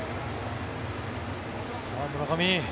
さあ、村上。